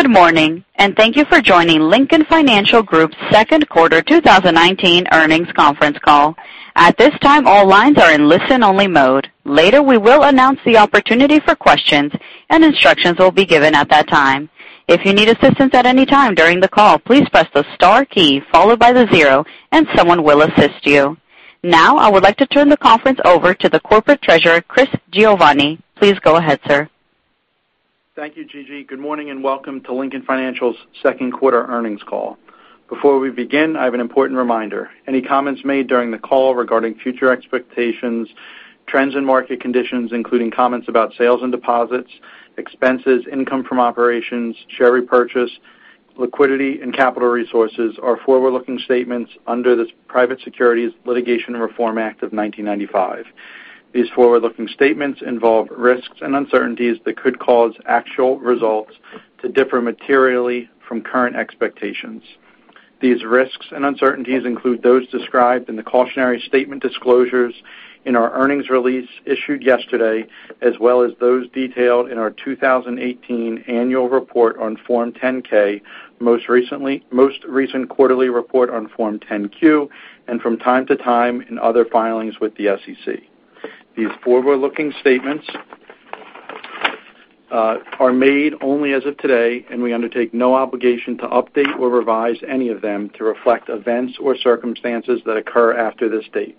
Good morning, and thank you for joining Lincoln Financial Group's second quarter 2019 earnings conference call. At this time, all lines are in listen-only mode. Later, we will announce the opportunity for questions, and instructions will be given at that time. If you need assistance at any time during the call, please press the star key followed by the zero and someone will assist you. I would like to turn the conference over to the Corporate Treasurer, Chris Giovanni. Please go ahead, sir. Thank you, Gigi. Good morning and welcome to Lincoln Financial's second quarter earnings call. Before we begin, I have an important reminder. Any comments made during the call regarding future expectations, trends and market conditions, including comments about sales and deposits, expenses, income from operations, share repurchase, liquidity, and capital resources are forward-looking statements under the Private Securities Litigation Reform Act of 1995. These forward-looking statements involve risks and uncertainties that could cause actual results to differ materially from current expectations. These risks and uncertainties include those described in the cautionary statement disclosures in our earnings release issued yesterday, as well as those detailed in our 2018 Annual Report on Form 10-K, most recent quarterly report on Form 10-Q, and from time to time in other filings with the SEC. These forward-looking statements are made only as of today. We undertake no obligation to update or revise any of them to reflect events or circumstances that occur after this date.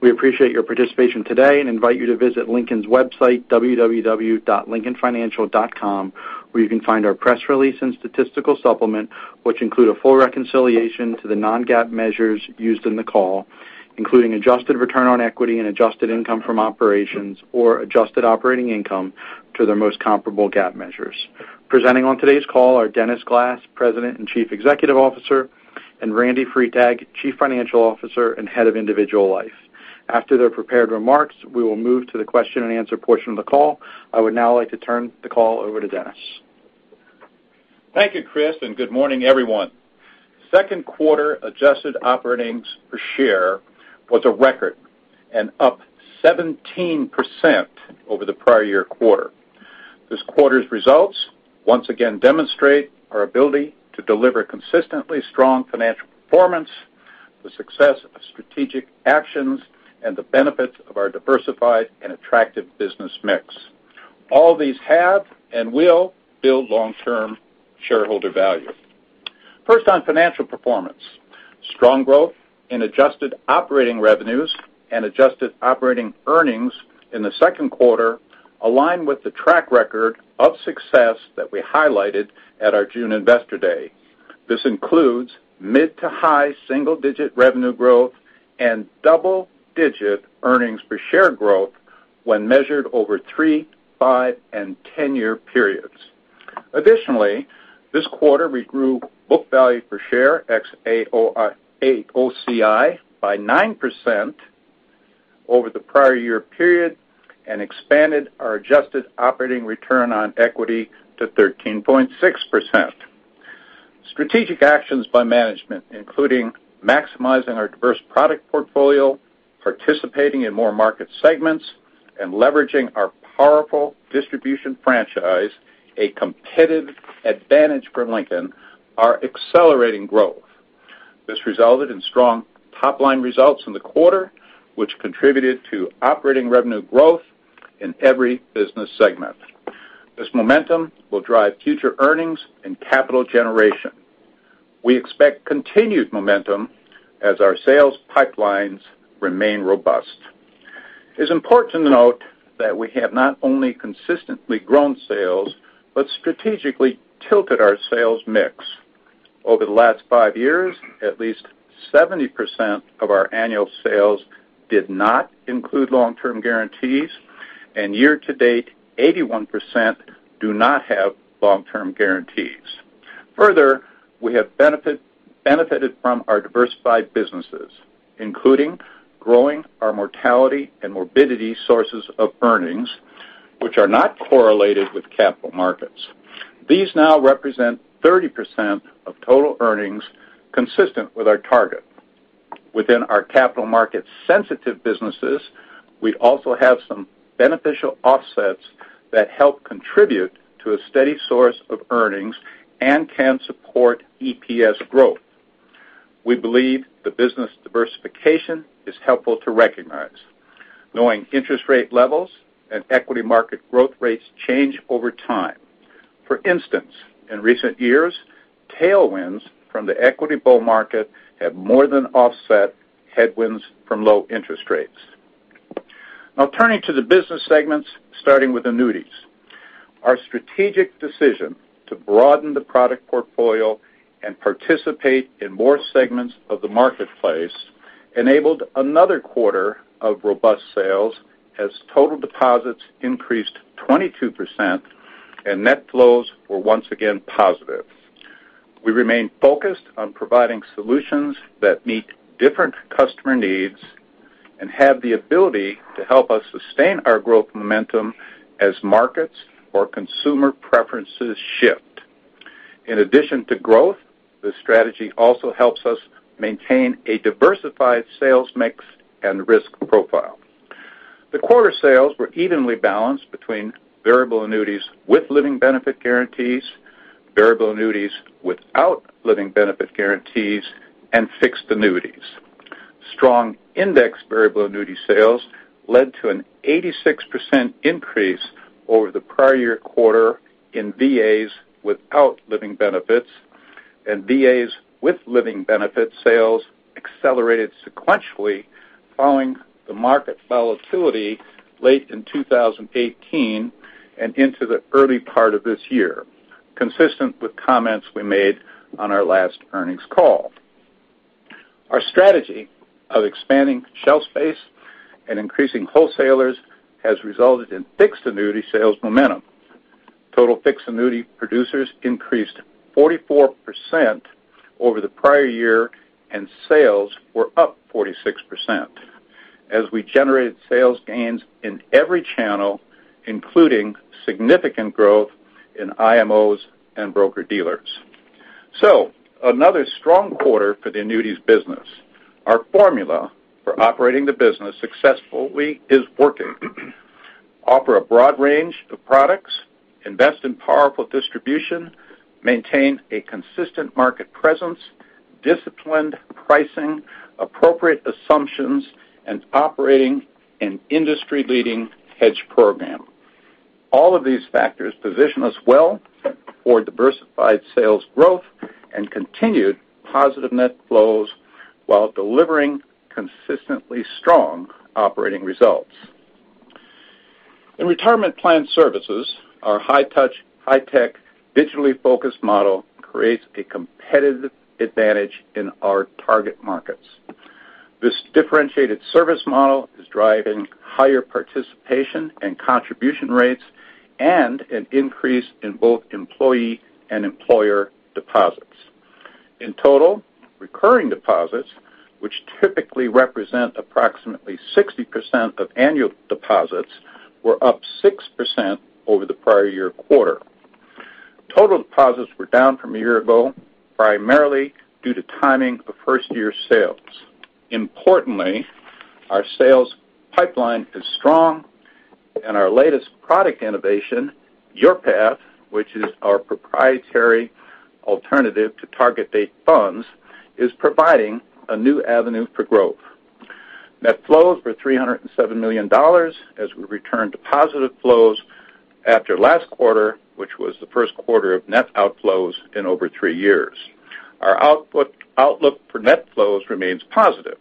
We appreciate your participation today and invite you to visit Lincoln's website, www.lincolnfinancial.com, where you can find our press release and statistical supplement, which include a full reconciliation to the non-GAAP measures used in the call, including adjusted return on equity and adjusted income from operations or adjusted operating income to their most comparable GAAP measures. Presenting on today's call are Dennis Glass, President and Chief Executive Officer, and Randy Freitag, Chief Financial Officer and Head of Individual Life. After their prepared remarks, we will move to the question and answer portion of the call. I would now like to turn the call over to Dennis. Thank you, Chris. Good morning, everyone. Second quarter adjusted operating earnings per share was a record and up 17% over the prior year quarter. This quarter's results once again demonstrate our ability to deliver consistently strong financial performance, the success of strategic actions, and the benefits of our diversified and attractive business mix. All these have and will build long-term shareholder value. First, on financial performance. Strong growth in adjusted operating revenues and adjusted operating earnings in the second quarter align with the track record of success that we highlighted at our June Investor Day. This includes mid to high single-digit revenue growth and double-digit earnings per share growth when measured over three, five, and 10-year periods. Additionally, this quarter, we grew book value per share ex-AOCI by 9% over the prior year period and expanded our adjusted operating return on equity to 13.6%. Strategic actions by management, including maximizing our diverse product portfolio, participating in more market segments, and leveraging our powerful distribution franchise, a competitive advantage for Lincoln Financial, are accelerating growth. This resulted in strong top-line results in the quarter, which contributed to operating revenue growth in every business segment. This momentum will drive future earnings and capital generation. We expect continued momentum as our sales pipelines remain robust. It's important to note that we have not only consistently grown sales but strategically tilted our sales mix. Over the last 5 years, at least 70% of our annual sales did not include long-term guarantees, and year to date, 81% do not have long-term guarantees. Further, we have benefited from our diversified businesses, including growing our mortality and morbidity sources of earnings, which are not correlated with capital markets. These now represent 30% of total earnings consistent with our target. Within our capital market sensitive businesses, we also have some beneficial offsets that help contribute to a steady source of earnings and can support EPS growth. We believe the business diversification is helpful to recognize, knowing interest rate levels and equity market growth rates change over time. For instance, in recent years, tailwinds from the equity bull market have more than offset headwinds from low interest rates. Turning to the business segments, starting with annuities. Our strategic decision to broaden the product portfolio and participate in more segments of the marketplace enabled another quarter of robust sales as total deposits increased 22%, and net flows were once again positive. We remain focused on providing solutions that meet different customer needs and have the ability to help us sustain our growth momentum as markets or consumer preferences shift. In addition to growth, this strategy also helps us maintain a diversified sales mix and risk profile. The quarter sales were evenly balanced between variable annuities with living benefit guarantees, variable annuities without living benefit guarantees, and fixed annuities. Strong index variable annuity sales led to an 86% increase over the prior year quarter in VAs without living benefits, and VAs with living benefit sales accelerated sequentially following the market volatility late in 2018 and into the early part of this year, consistent with comments we made on our last earnings call. Our strategy of expanding shelf space and increasing wholesalers has resulted in fixed annuity sales momentum. Total fixed annuity producers increased 44% over the prior year, and sales were up 46% as we generated sales gains in every channel, including significant growth in IMOs and broker-dealers. Another strong quarter for the annuities business. Our formula for operating the business successfully is working. Offer a broad range of products, invest in powerful distribution, maintain a consistent market presence, disciplined pricing, appropriate assumptions, and operating an industry-leading hedge program. All of these factors position us well for diversified sales growth and continued positive net flows while delivering consistently strong operating results. In Retirement Plan Services, our high-touch, high-tech, digitally focused model creates a competitive advantage in our target markets. This differentiated service model is driving higher participation in contribution rates and an increase in both employee and employer deposits. In total, recurring deposits, which typically represent approximately 60% of annual deposits, were up 6% over the prior year quarter. Total deposits were down from a year ago, primarily due to timing of first-year sales. Importantly, our sales pipeline is strong, and our latest product innovation, Your Path, which is our proprietary alternative to target date funds, is providing a new avenue for growth. Net flows were $307 million as we returned to positive flows after last quarter, which was the first quarter of net outflows in over three years. Our outlook for net flows remains positive.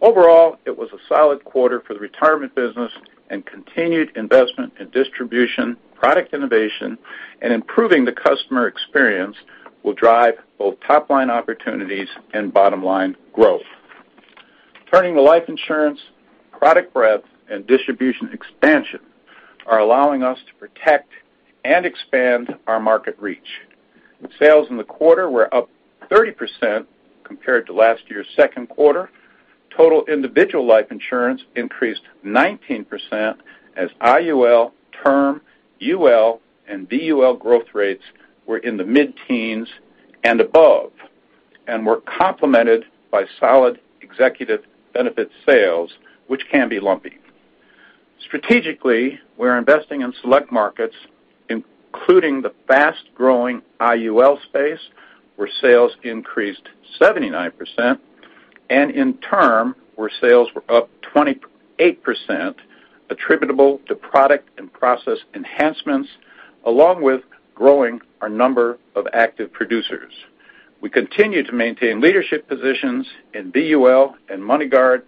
Overall, it was a solid quarter for the retirement business and continued investment in distribution, product innovation, and improving the customer experience will drive both top-line opportunities and bottom-line growth. Turning to life insurance, product breadth, and distribution expansion are allowing us to protect and expand our market reach. Sales in the quarter were up 30% compared to last year's second quarter. Total individual life insurance increased 19% as IUL, term, UL, and BUL growth rates were in the mid-teens and above and were complemented by solid executive benefit sales, which can be lumpy. Strategically, we're investing in select markets, including the fast-growing IUL space, where sales increased 79%, and in term, where sales were up 28%, attributable to product and process enhancements, along with growing our number of active producers. We continue to maintain leadership positions in BUL and MoneyGuard,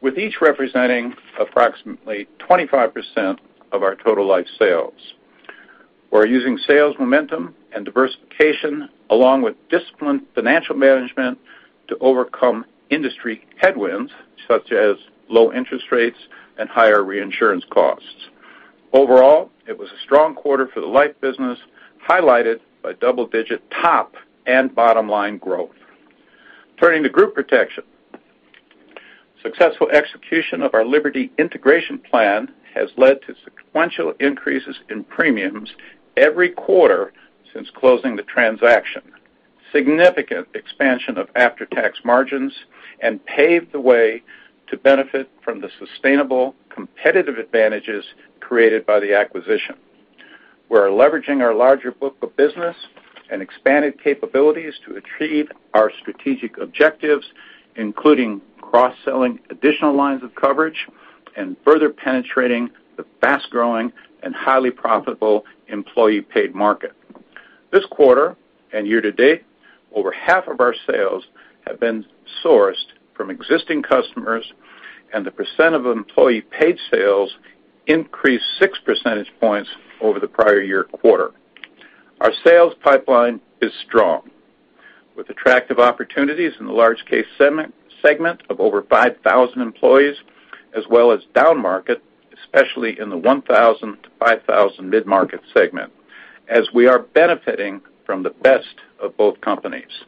with each representing approximately 25% of our total life sales. We're using sales momentum and diversification along with disciplined financial management to overcome industry headwinds, such as low interest rates and higher reinsurance costs. Overall, it was a strong quarter for the life business, highlighted by double-digit top and bottom-line growth. Turning to group protection. Successful execution of our Liberty integration plan has led to sequential increases in premiums every quarter since closing the transaction, significant expansion of after-tax margins, and paved the way to benefit from the sustainable competitive advantages created by the acquisition. We are leveraging our larger book of business and expanded capabilities to achieve our strategic objectives, including cross-selling additional lines of coverage and further penetrating the fast-growing and highly profitable employee-paid market. This quarter and year to date, over half of our sales have been sourced from existing customers, and the percent of employee paid sales increased six percentage points over the prior year quarter. Our sales pipeline is strong with attractive opportunities in the large case segment of over 5,000 employees, as well as down market, especially in the 1,000 to 5,000 mid-market segment, as we are benefiting from the best of both companies.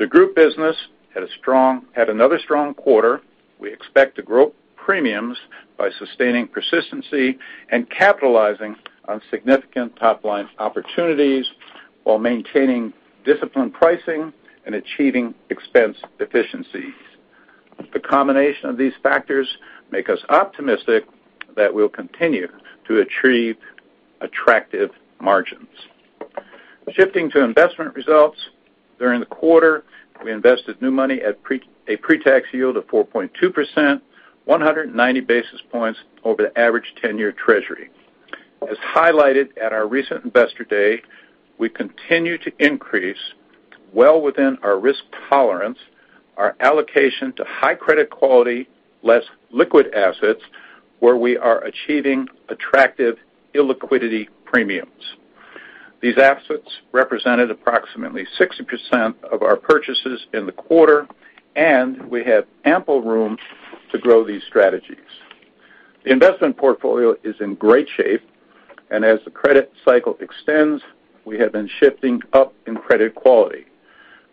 The group business had another strong quarter. We expect to grow premiums by sustaining persistency and capitalizing on significant top-line opportunities while maintaining disciplined pricing and achieving expense efficiencies. The combination of these factors make us optimistic that we'll continue to achieve attractive margins. Shifting to investment results. During the quarter, we invested new money at a pre-tax yield of 4.2%, 190 basis points over the average 10-year Treasury. As highlighted at our recent Investor Day, we continue to increase, well within our risk tolerance, our allocation to high credit quality, less liquid assets where we are achieving attractive illiquidity premiums. These assets represented approximately 60% of our purchases in the quarter, and we have ample room to grow these strategies. The investment portfolio is in great shape, and as the credit cycle extends, we have been shifting up in credit quality.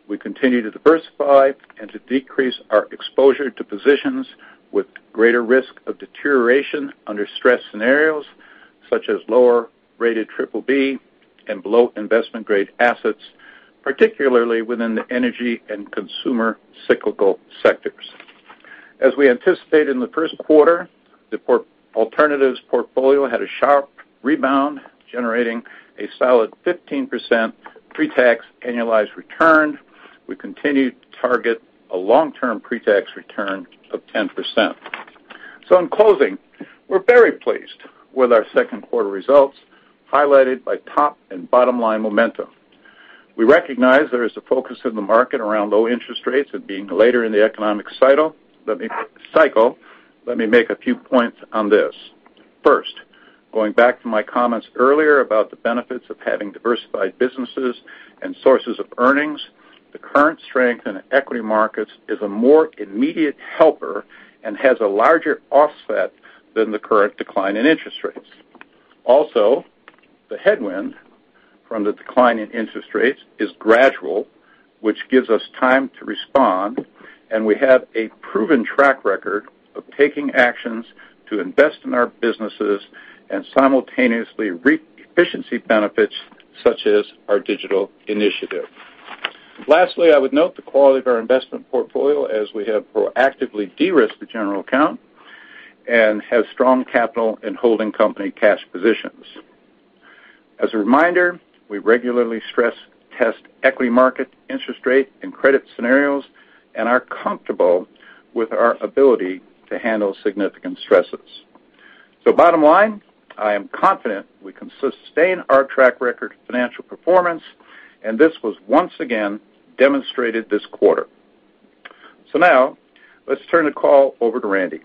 We continue to diversify and to decrease our exposure to positions with greater risk of deterioration under stress scenarios such as lower-rated BBB and below investment-grade assets, particularly within the energy and consumer cyclical sectors. As we anticipated in the first quarter, the alternatives portfolio had a sharp rebound, generating a solid 15% pre-tax annualized return. We continue to target a long-term pre-tax return of 10%. In closing, we're very pleased with our second quarter results, highlighted by top and bottom-line momentum. We recognize there is a focus in the market around low interest rates and being later in the economic cycle. Let me make a few points on this. First, going back to my comments earlier about the benefits of having diversified businesses and sources of earnings, the current strength in equity markets is a more immediate helper and has a larger offset than the current decline in interest rates. Also, the headwind from the decline in interest rates is gradual, which gives us time to respond, and we have a proven track record of taking actions to invest in our businesses and simultaneously reap efficiency benefits such as our digital initiative. Lastly, I would note the quality of our investment portfolio as we have proactively de-risked the general account and have strong capital and holding company cash positions. As a reminder, we regularly stress test equity market interest rate and credit scenarios and are comfortable with our ability to handle significant stresses. Bottom line, I am confident we can sustain our track record financial performance, and this was once again demonstrated this quarter. Now, let's turn the call over to Randy.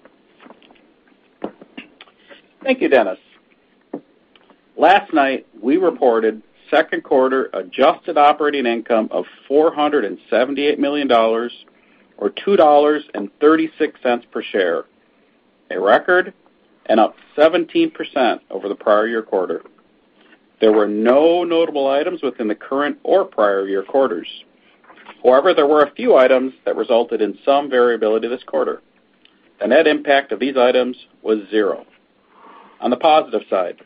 Thank you, Dennis. Last night, we reported second quarter adjusted operating income of $478 million, or $2.36 per share, a record and up 17% over the prior year quarter. There were no notable items within the current or prior year quarters. However, there were a few items that resulted in some variability this quarter. The net impact of these items was zero. On the positive side,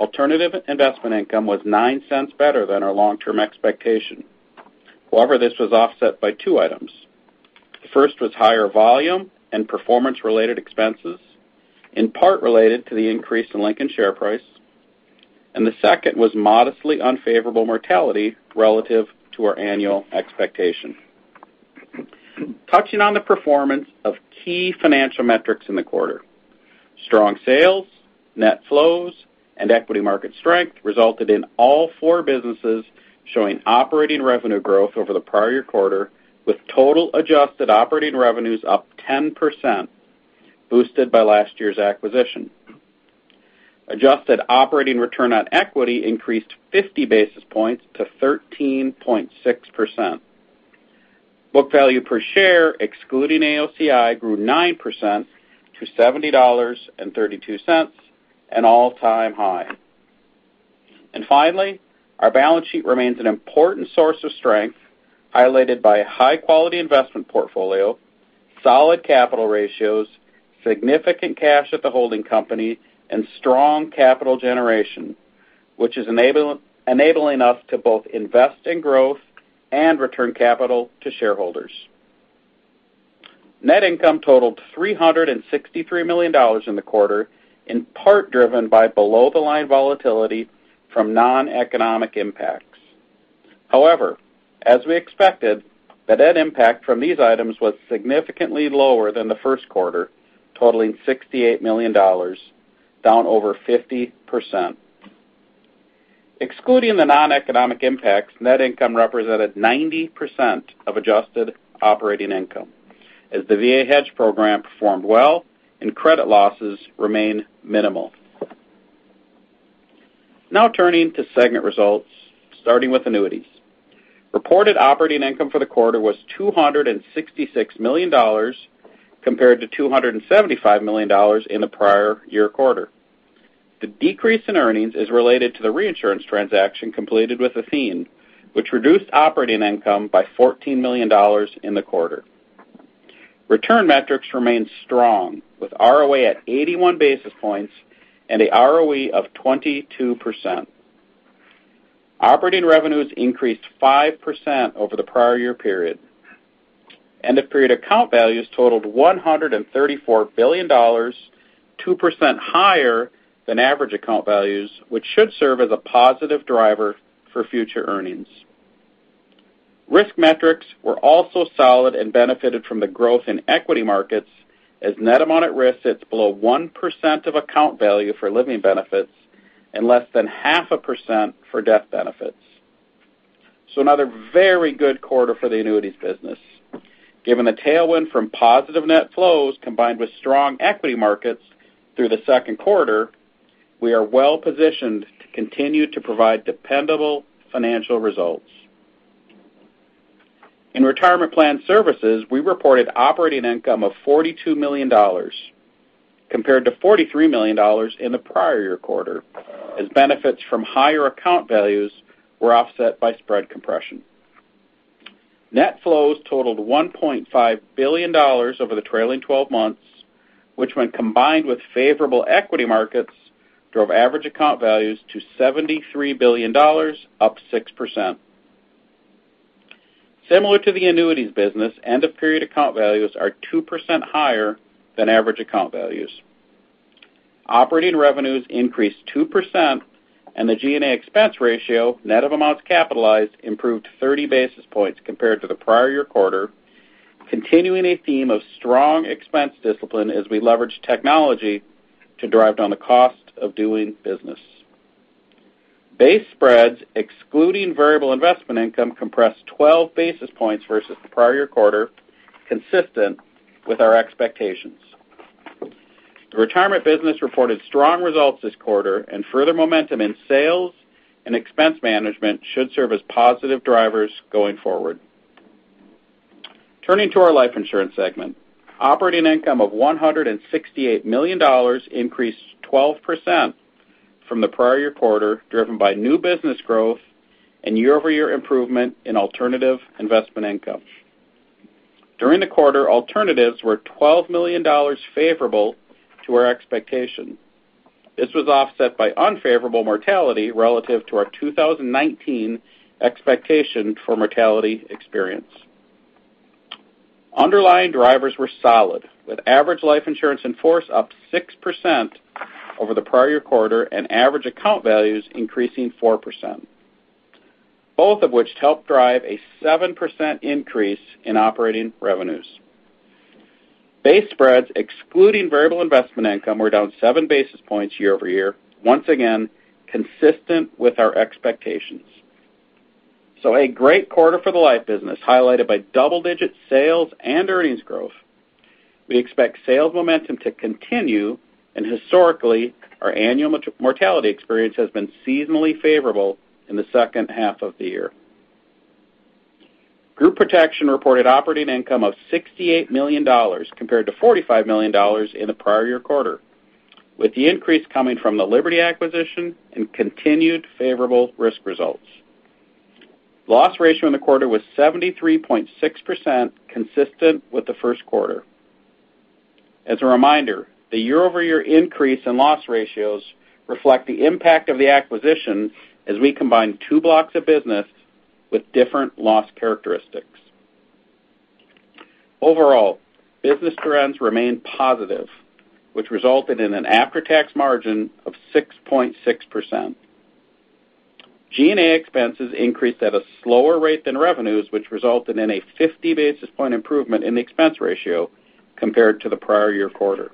alternative investment income was $0.09 better than our long-term expectation. However, this was offset by two items. The first was higher volume and performance-related expenses, in part related to the increase in Lincoln share price, and the second was modestly unfavorable mortality relative to our annual expectation. Touching on the performance of key financial metrics in the quarter. Strong sales, net flows, and equity market strength resulted in all four businesses showing operating revenue growth over the prior year quarter, with total adjusted operating revenues up 10%, boosted by last year's acquisition. Adjusted operating return on equity increased 50 basis points to 13.6%. Book value per share excluding AOCI grew 9% to $70.32, an all-time high. Finally, our balance sheet remains an important source of strength, highlighted by a high-quality investment portfolio, solid capital ratios, significant cash at the holding company, and strong capital generation, which is enabling us to both invest in growth and return capital to shareholders. Net income totaled $363 million in the quarter, in part driven by below-the-line volatility from non-economic impacts. However, as we expected, the net impact from these items was significantly lower than the first quarter, totaling $68 million, down over 50%. Excluding the non-economic impacts, net income represented 90% of adjusted operating income as the VA hedge program performed well and credit losses remain minimal. Turning to segment results, starting with annuities. Reported operating income for the quarter was $266 million compared to $275 million in the prior year quarter. The decrease in earnings is related to the reinsurance transaction completed with Athene, which reduced operating income by $14 million in the quarter. Return metrics remain strong with ROA at 81 basis points and a ROE of 22%. Operating revenues increased 5% over the prior year period. End-of-period account values totaled $134 billion, 2% higher than average account values, which should serve as a positive driver for future earnings. Risk metrics were also solid and benefited from the growth in equity markets as net amount at risk sits below 1% of account value for living benefits and less than half a percent for death benefits. Another very good quarter for the annuities business. Given the tailwind from positive net flows combined with strong equity markets through the second quarter, we are well-positioned to continue to provide dependable financial results. In Retirement Plan Services, we reported operating income of $42 million compared to $43 million in the prior year quarter, as benefits from higher account values were offset by spread compression. Net flows totaled $1.5 billion over the trailing 12 months, which when combined with favorable equity markets, drove average account values to $73 billion, up 6%. Similar to the annuities business, end-of-period account values are 2% higher than average account values. Operating revenues increased 2% and the G&A expense ratio, net of amounts capitalized, improved 30 basis points compared to the prior year quarter, continuing a theme of strong expense discipline as we leverage technology to drive down the cost of doing business. Base spreads excluding variable investment income compressed 12 basis points versus the prior year quarter, consistent with our expectations. The retirement business reported strong results this quarter and further momentum in sales and expense management should serve as positive drivers going forward. Turning to our Life Insurance segment. Operating income of $168 million increased 12% from the prior year quarter, driven by new business growth and year-over-year improvement in alternative investment income. During the quarter, alternatives were $12 million favorable to our expectation. This was offset by unfavorable mortality relative to our 2019 expectation for mortality experience. Underlying drivers were solid, with average life insurance in force up 6% over the prior year quarter and average account values increasing 4%, both of which helped drive a 7% increase in operating revenues. Base spreads excluding variable investment income were down seven basis points year-over-year, once again, consistent with our expectations. A great quarter for the life business, highlighted by double-digit sales and earnings growth. We expect sales momentum to continue, and historically, our annual mortality experience has been seasonally favorable in the second half of the year. Group protection reported operating income of $68 million compared to $45 million in the prior year quarter, with the increase coming from the Liberty acquisition and continued favorable risk results. Loss ratio in the quarter was 73.6%, consistent with the first quarter. As a reminder, the year-over-year increase in loss ratios reflect the impact of the acquisition as we combine two blocks of business with different loss characteristics. Overall, business trends remained positive, which resulted in an after-tax margin of 6.6%. G&A expenses increased at a slower rate than revenues, which resulted in a 50 basis point improvement in the expense ratio compared to the prior year quarter.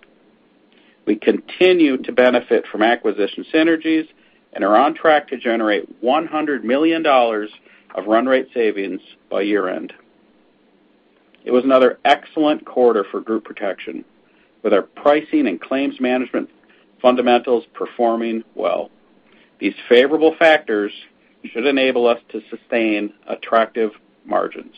We continue to benefit from acquisition synergies and are on track to generate $100 million of run rate savings by year-end. It was another excellent quarter for Group Protection, with our pricing and claims management fundamentals performing well. These favorable factors should enable us to sustain attractive margins.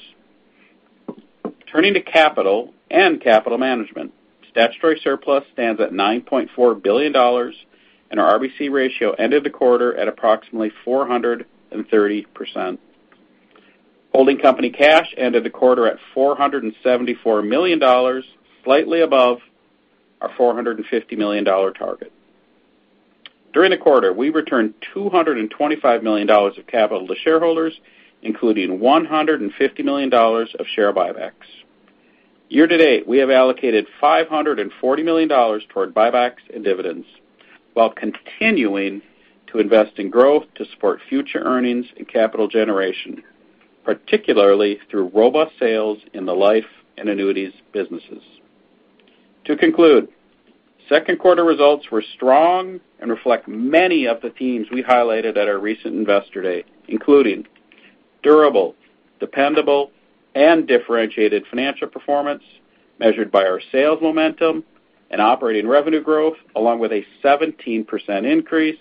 Turning to capital and capital management. Statutory surplus stands at $9.4 billion, and our RBC ratio ended the quarter at approximately 430%. Holding company cash ended the quarter at $474 million, slightly above our $450 million target. During the quarter, we returned $225 million of capital to shareholders, including $150 million of share buybacks. Year to date, we have allocated $540 million toward buybacks and dividends while continuing to invest in growth to support future earnings and capital generation, particularly through robust sales in the life and annuities businesses. To conclude, second quarter results were strong and reflect many of the themes we highlighted at our recent Investor Day, including durable, dependable, and differentiated financial performance measured by our sales momentum and operating revenue growth along with a 17% increase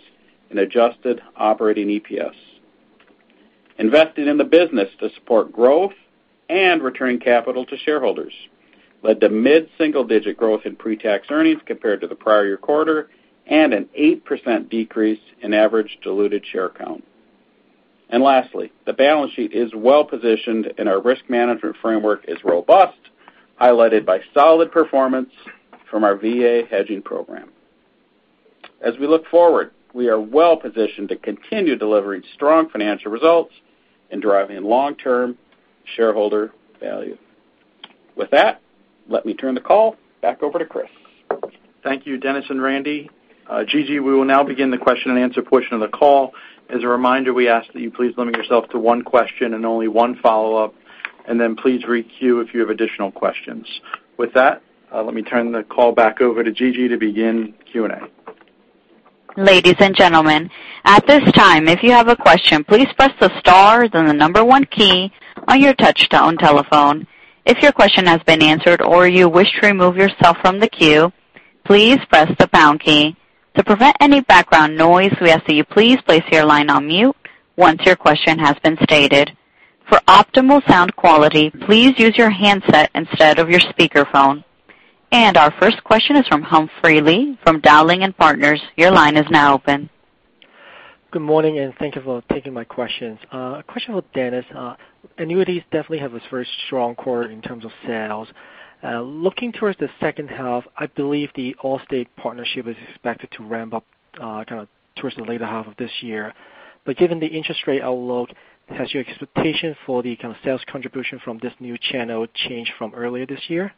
in adjusted operating EPS. Investing in the business to support growth and returning capital to shareholders led to mid-single digit growth in pre-tax earnings compared to the prior year quarter and an 8% decrease in average diluted share count. Lastly, the balance sheet is well positioned and our risk management framework is robust, highlighted by solid performance from our VA hedging program. As we look forward, we are well positioned to continue delivering strong financial results and driving long-term shareholder value. With that, let me turn the call back over to Chris. Thank you, Dennis and Randy. Gigi, we will now begin the question and answer portion of the call. As a reminder, we ask that you please limit yourself to one question and only one follow-up, then please re-queue if you have additional questions. With that, let me turn the call back over to Gigi to begin Q&A. Ladies and gentlemen, at this time, if you have a question, please press the star then the number one key on your touchtone telephone. If your question has been answered or you wish to remove yourself from the queue, please press the pound key. To prevent any background noise, we ask that you please place your line on mute once your question has been stated. For optimal sound quality, please use your handset instead of your speakerphone. Our first question is from Humphrey Lee from Dowling & Partners, your line is now open. Good morning, and thank you for taking my questions. A question for Dennis. Annuities definitely have a very strong quarter in terms of sales. Looking towards the second half, I believe the Allstate partnership is expected to ramp up towards the latter half of this year. Given the interest rate outlook, has your expectation for the kind of sales contribution from this new channel changed from earlier this year?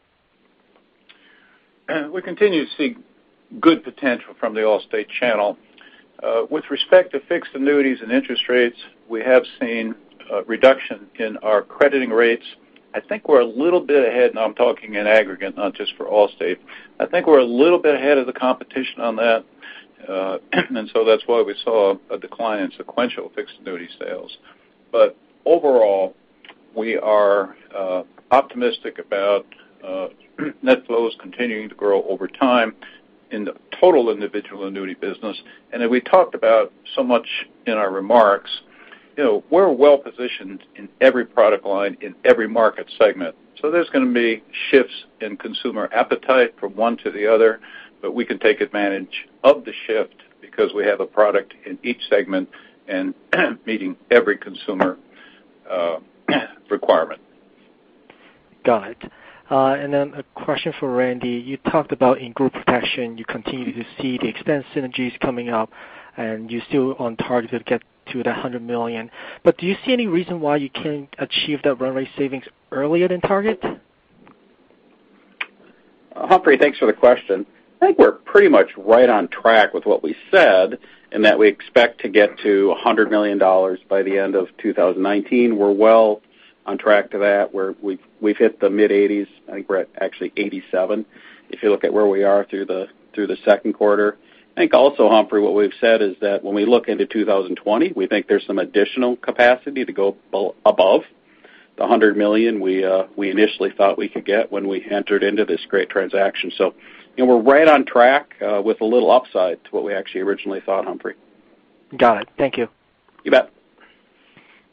We continue to see good potential from the Allstate channel. With respect to fixed annuities and interest rates, we have seen a reduction in our crediting rates. I think we're a little bit ahead, and I'm talking in aggregate, not just for Allstate. I think we're a little bit ahead of the competition on that. That's why we saw a decline in sequential fixed annuity sales. Overall, we are optimistic about net flows continuing to grow over time in the total individual annuity business. As we talked about so much in our remarks, we're well positioned in every product line in every market segment. There's going to be shifts in consumer appetite from one to the other, but we can take advantage of the shift because we have a product in each segment and meeting every consumer requirement. Got it. A question for Randy. You talked about in group protection, you continue to see the expense synergies coming up, and you're still on target to get to $100 million. Do you see any reason why you can't achieve that runway savings earlier than target? Humphrey, thanks for the question. I think we're pretty much right on track with what we said, in that we expect to get to $100 million by the end of 2019. We're well on track to that. We've hit the mid-80s. I think we're at actually 87, if you look at where we are through the second quarter. I think also, Humphrey, what we've said is that when we look into 2020, we think there's some additional capacity to go above the $100 million we initially thought we could get when we entered into this great transaction. We're right on track with a little upside to what we actually originally thought, Humphrey. Got it. Thank you. You bet.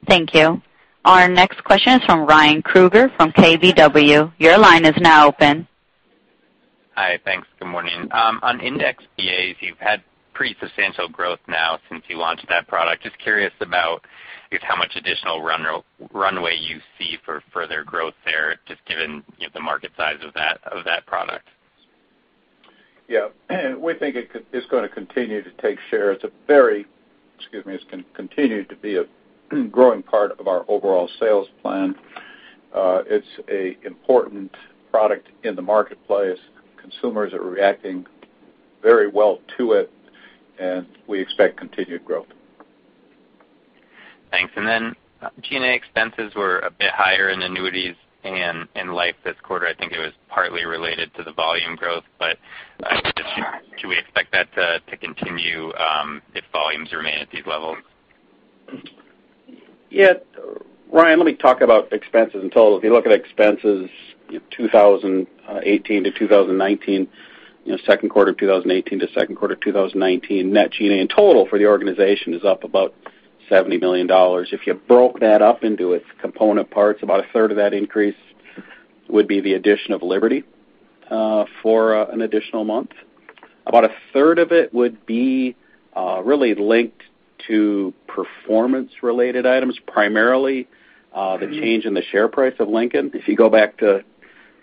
Thank you. Our next question is from Ryan Krueger from KBW. Your line is now open. Hi, thanks. Good morning. On index VAs, you've had pretty substantial growth now since you launched that product. Just curious about how much additional runway you see for further growth there, just given the market size of that product. Yeah. We think it's going to continue to take share. It's going to continue to be a growing part of our overall sales plan. It's an important product in the marketplace. Consumers are reacting very well to it, and we expect continued growth. Thanks. G&A expenses were a bit higher in annuities and in life this quarter. I think it was partly related to the volume growth. Should we expect that to continue if volumes remain at these levels? Yeah. Ryan, let me talk about expenses in total. If you look at expenses 2018 to 2019, second quarter 2018 to second quarter 2019, net G&A in total for the organization is up about $70 million. If you broke that up into its component parts, about a third of that increase would be the addition of Liberty for an additional month. About a third of it would be really linked to performance-related items, primarily the change in the share price of Lincoln. If you go back to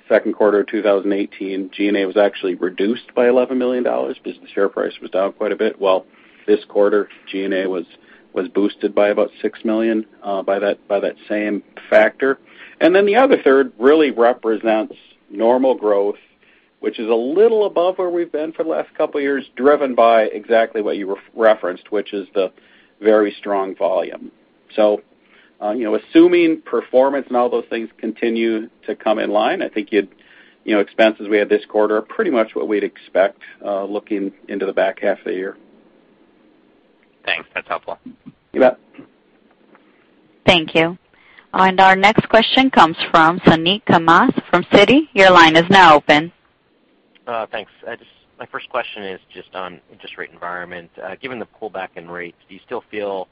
second quarter of 2018, G&A was actually reduced by $11 million because the share price was down quite a bit. Well, this quarter, G&A was boosted by about $6 million by that same factor. The other third really represents normal growth, which is a little above where we've been for the last couple of years, driven by exactly what you referenced, which is the very strong volume. Assuming performance and all those things continue to come in line, I think expenses we had this quarter are pretty much what we'd expect looking into the back half of the year. Thanks. That's helpful. You bet. Thank you. Our next question comes from Suneet Kamath from Citigroup. Your line is now open. Thanks. My first question is just on interest rate environment. Given the pullback in rates, do you still feel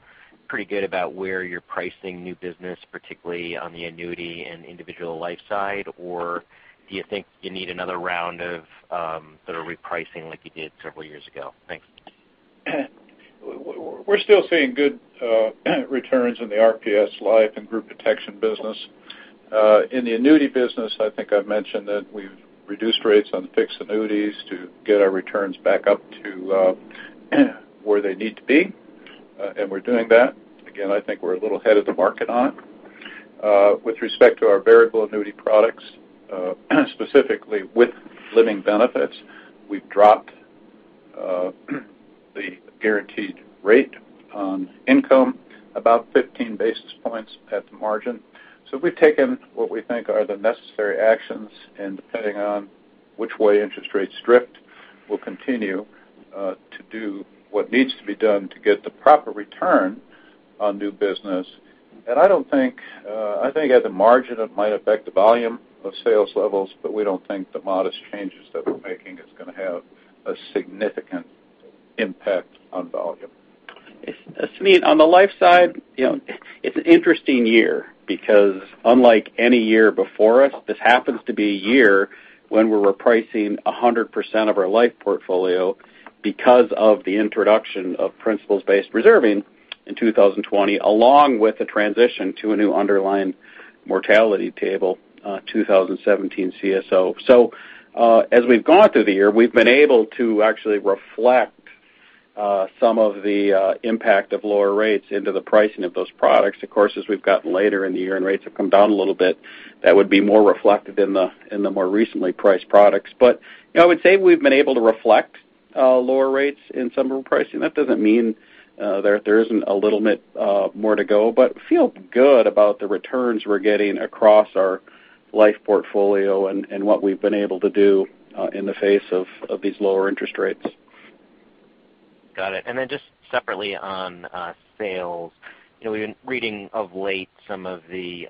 pretty good about where you're pricing new business, particularly on the annuity and individual life side? Or do you think you need another round of sort of repricing like you did several years ago? Thanks. We're still seeing good returns in the RPS life and group protection business. In the annuity business, I think I've mentioned that we've reduced rates on fixed annuities to get our returns back up to where they need to be, and we're doing that. Again, I think we're a little ahead of the market on it. With respect to our variable annuity products, specifically with living benefits, we've dropped the guaranteed rate on income about 15 basis points at the margin. We've taken what we think are the necessary actions, and depending on which way interest rates drift, we'll continue to do what needs to be done to get the proper return on new business. I think at the margin, it might affect the volume of sales levels, but we don't think the modest changes that we're making is going to have a significant impact on volume. Suneet, on the life side, it's an interesting year because unlike any year before us, this happens to be a year when we're repricing 100% of our life portfolio because of the introduction of principles-based reserving in 2020, along with the transition to a new underlying mortality table, 2017 CSO. As we've gone through the year, we've been able to actually reflect some of the impact of lower rates into the pricing of those products. Of course, as we've gotten later in the year and rates have come down a little bit, that would be more reflected in the more recently priced products. I would say we've been able to reflect lower rates in some pricing. That doesn't mean that there isn't a little bit more to go, but feel good about the returns we're getting across our life portfolio and what we've been able to do in the face of these lower interest rates. Got it. Just separately on sales, we've been reading of late some of the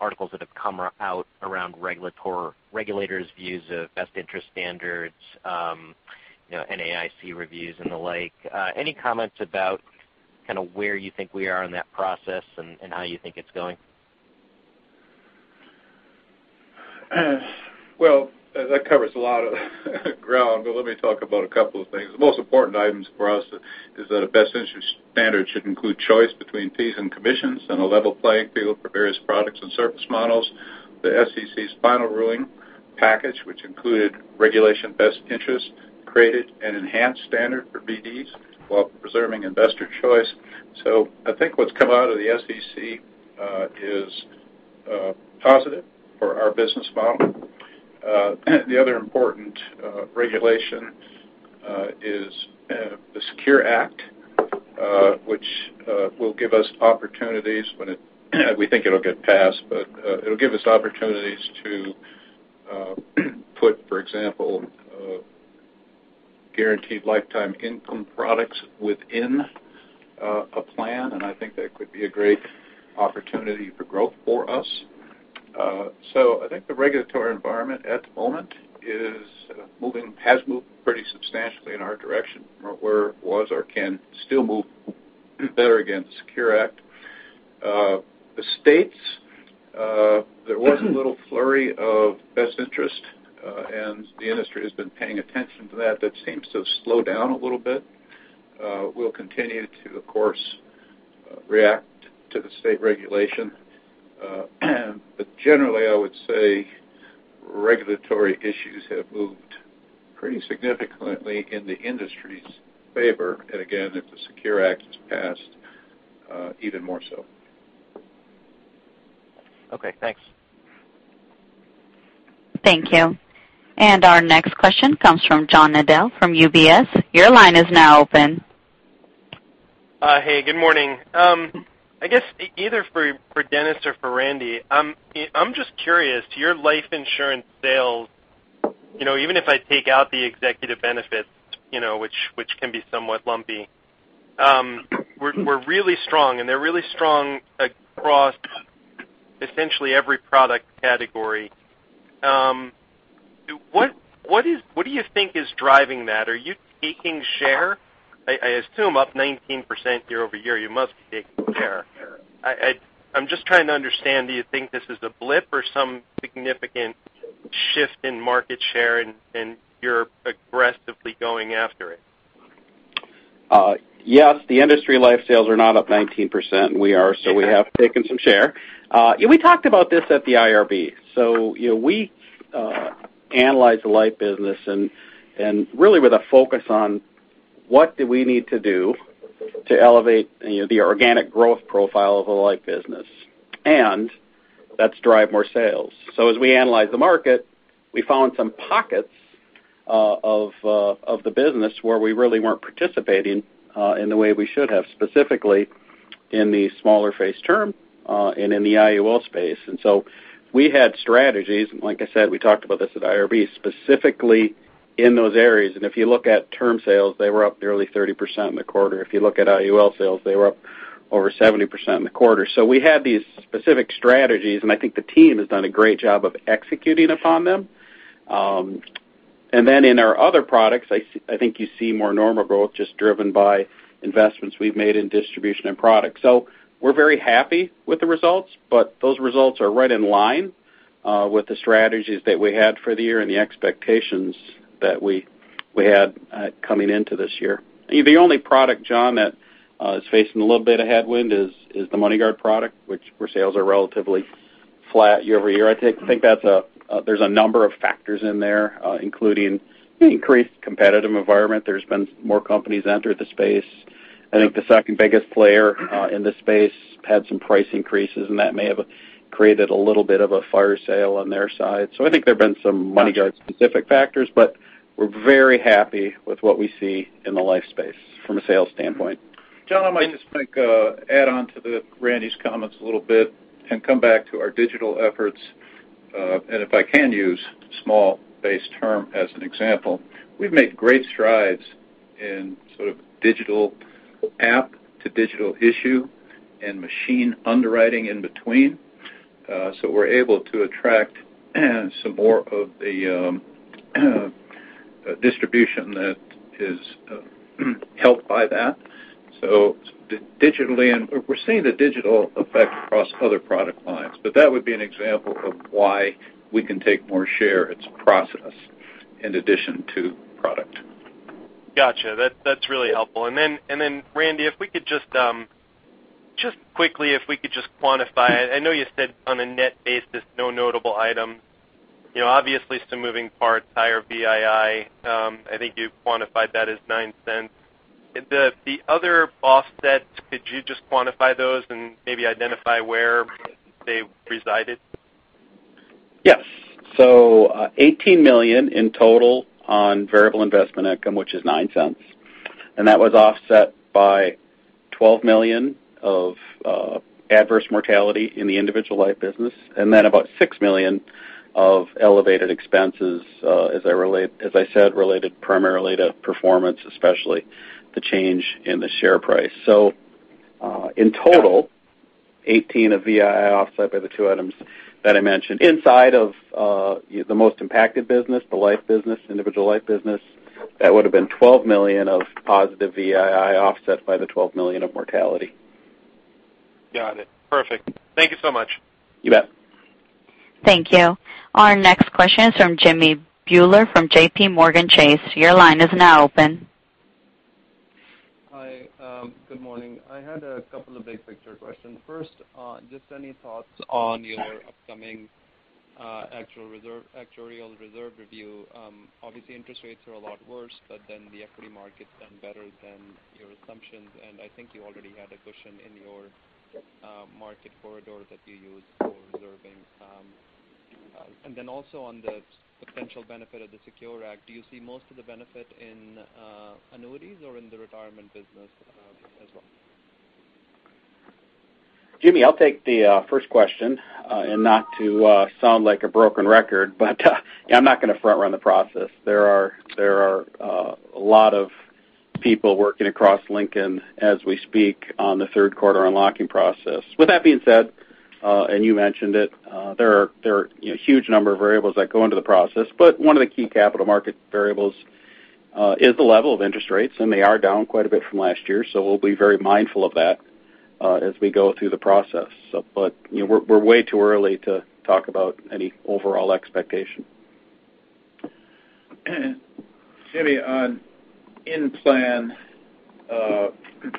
articles that have come out around regulators' views of best interest standards, NAIC reviews, and the like. Any comments about where you think we are in that process and how you think it's going? That covers a lot of ground, but let me talk about a couple of things. The most important items for us is that a best interest standard should include choice between fees and commissions and a level playing field for various products and service models. The SEC's final ruling package, which included Regulation Best Interest, created an enhanced standard for BDs while preserving investor choice. I think what's come out of the SEC is positive for our business model. The other important regulation is the SECURE Act, which will give us opportunities when we think it'll get passed. It'll give us opportunities to put, for example, guaranteed lifetime income products within a plan, and I think that could be a great opportunity for growth for us. I think the regulatory environment at the moment has moved pretty substantially in our direction from where it was or can still move better against the SECURE Act. The states, there was a little flurry of best interest, and the industry has been paying attention to that. That seems to have slowed down a little bit. We'll continue to, of course, react to the state regulation. Generally, I would say regulatory issues have moved pretty significantly in the industry's favor. Again, if the SECURE Act is passed, even more so. Okay, thanks. Thank you. Our next question comes from John Nadel from UBS. Your line is now open. Hey, good morning. I guess either for Dennis or for Randy, I'm just curious, to your life insurance sales, even if I take out the executive benefits, which can be somewhat lumpy, were really strong, and they're really strong across essentially every product category. What do you think is driving that? Are you taking share? I assume up 19% year-over-year, you must be taking share. I'm just trying to understand, do you think this is a blip or some significant shift in market share and you're aggressively going after it? Yes. The industry life sales are not up 19%, and we are, so we have taken some share. We talked about this at the IRB. We analyze the life business and really with a focus on what do we need to do to elevate the organic growth profile of a life business, and that's drive more sales. As we analyze the market, we found some pockets of the business where we really weren't participating in the way we should have, specifically in the smaller face term and in the IUL space. We had strategies, and like I said, we talked about this at IRB, specifically in those areas. If you look at term sales, they were up nearly 30% in the quarter. If you look at IUL sales, they were up over 70% in the quarter. We had these specific strategies, I think the team has done a great job of executing upon them. In our other products, I think you see more normal growth just driven by investments we've made in distribution and product. We're very happy with the results, but those results are right in line with the strategies that we had for the year and the expectations that we had coming into this year. The only product, John, that is facing a little bit of headwind is the MoneyGuard product, which sales are relatively flat year-over-year. I think there's a number of factors in there, including increased competitive environment. There's been more companies enter the space. I think the second biggest player in this space had some price increases, and that may have created a little bit of a fire sale on their side. I think there've been some MoneyGuard specific factors, but we're very happy with what we see in the life space from a sales standpoint. John, I might just add on to Randy's comments a little bit and come back to our digital efforts. If I can use small base term as an example, we've made great strides in digital app to digital issue and machine underwriting in between. We're able to attract some more of the distribution that is helped by that. Digitally, and we're seeing the digital effect across other product lines. That would be an example of why we can take more share. It's process in addition to product. Got you. That's really helpful. Randy, just quickly, if we could just quantify. I know you said on a net basis, no notable item. Obviously some moving parts, higher VII. I think you quantified that as $0.09. The other offsets, could you just quantify those and maybe identify where they resided? Yes. $18 million in total on variable investment income, which is $0.09. That was offset by $12 million of adverse mortality in the individual life business, and then about $6 million of elevated expenses, as I said, related primarily to performance, especially the change in the share price. In total, $18 of VII offset by the two items that I mentioned. Inside of the most impacted business, the life business, individual life business, that would've been $12 million of positive VII offset by the $12 million of mortality. Got it. Perfect. Thank you so much. You bet. Thank you. Our next question is from Jimmy Bhullar from JPMorgan Chase. Your line is now open. Hi. Good morning. I had a couple of big-picture questions. First, just any thoughts on your upcoming actuarial reserve review. Obviously interest rates are a lot worse, but the equity market's done better than your assumptions, and I think you already had a cushion in your market corridor that you used for reserving. Also on the potential benefit of the SECURE Act, do you see most of the benefit in annuities or in the retirement business as well? Jimmy, I'll take the first question. Not to sound like a broken record, but I'm not going to front run the process. There are a lot of people working across Lincoln as we speak on the third quarter unlocking process. With that being said, you mentioned it, there are huge number of variables that go into the process. One of the key capital market variables is the level of interest rates, they are down quite a bit from last year, we'll be very mindful of that as we go through the process. We're way too early to talk about any overall expectation. Jimmy, on in-plan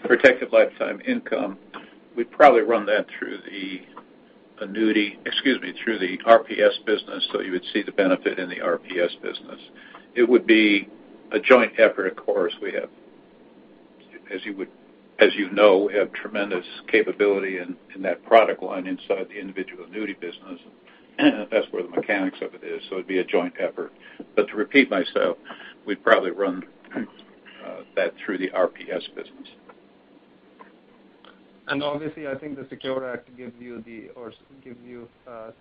protected lifetime income, we'd probably run that through the annuity, excuse me, through the RPS business, you would see the benefit in the RPS business. It would be a joint effort, of course. As you know, we have tremendous capability in that product line inside the individual annuity business. That's where the mechanics of it is, it'd be a joint effort. To repeat myself, we'd probably run that through the RPS business. Obviously, I think the SECURE Act gives you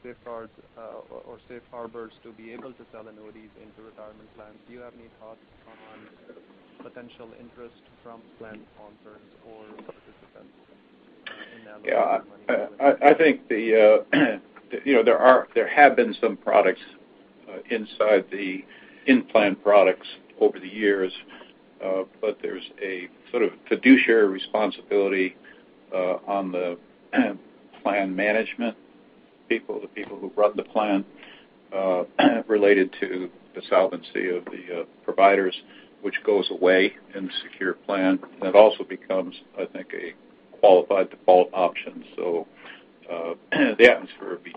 safeguards or safe harbors to be able to sell annuities into retirement plans. Do you have any thoughts on potential interest from plan sponsors or participants in that regard? Yeah. I think there have been some products inside the in-plan products over the years. There's a sort of fiduciary responsibility on the plan management people, the people who run the plan, related to the solvency of the providers, which goes away in the secure plan. That also becomes, I think, a qualified default option. The atmosphere would be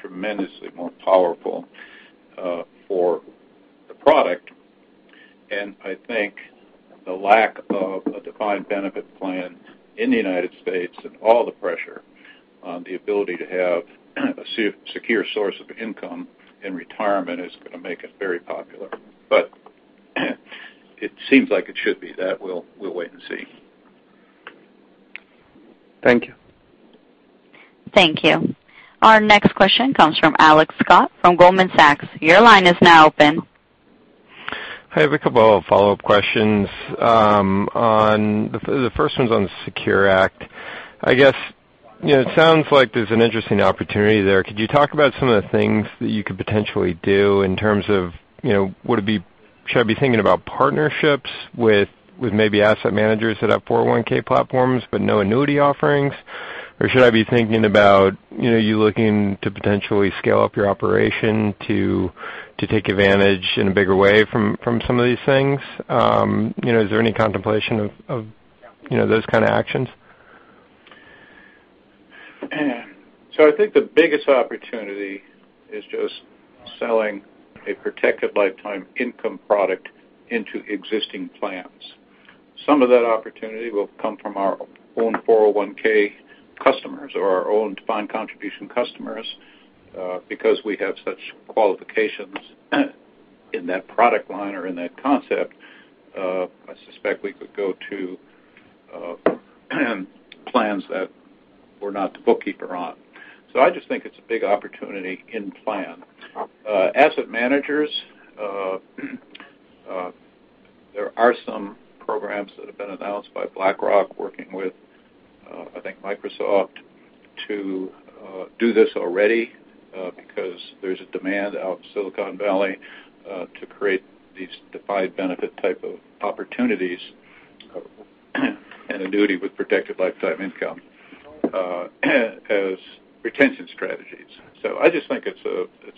tremendously more powerful for the product. I think the lack of a defined benefit plan in the United States and all the pressure on the ability to have a secure source of income in retirement is going to make it very popular. It seems like it should be. That we'll wait and see. Thank you. Thank you. Our next question comes from Alex Scott from Goldman Sachs. Your line is now open. Hi, I have a couple of follow-up questions. The first one's on the SECURE Act. I guess it sounds like there's an interesting opportunity there. Could you talk about some of the things that you could potentially do in terms of, Should I be thinking about partnerships with maybe asset managers that have 401 platforms but no annuity offerings? Should I be thinking about you looking to potentially scale up your operation to take advantage in a bigger way from some of these things? Is there any contemplation of those kind of actions? I think the biggest opportunity is just selling a protected lifetime income product into existing plans. Some of that opportunity will come from our own 401 customers or our own defined contribution customers, because we have such qualifications in that product line or in that concept. I suspect we could go to plans that we're not the bookkeeper on. I just think it's a big opportunity in plan. Asset managers, there are some programs that have been announced by BlackRock working with, I think, Microsoft to do this already, because there's a demand out in Silicon Valley, to create these defined benefit type of opportunities and annuity with protected lifetime income as retention strategies. I just think it's